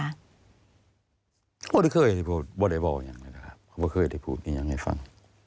เขาเคยบอเดบอลอย่างนี้ครับเขาก็เคยได้พูดอย่างนี้ให้ฟัง